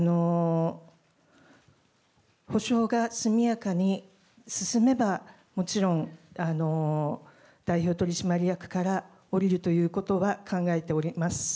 補償が速やかに進めば、もちろん、代表取締役から降りるということは考えております。